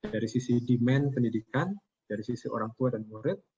dari sisi demand pendidikan dari sisi orang tua dan murid